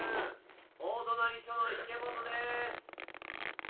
大隣署の池本です！